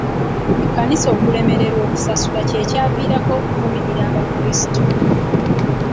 Ekkanisa okulemererwa okusasula kwe kwavirako okuvumirira abakulisitu.